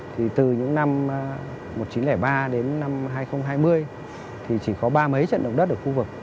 thì từ những năm một nghìn chín trăm linh ba đến năm hai nghìn hai mươi thì chỉ có ba mấy trận động đất ở khu vực